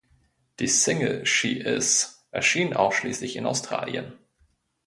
Die Single "She Is" erschien ausschließlich in Australien.